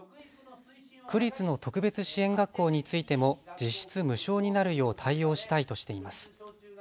区立の特別支援学校についても実質無償になるよう対応したいとしています。